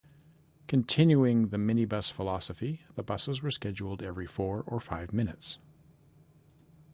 Continuing the minibus philosophy, the buses were scheduled every four or five minutes.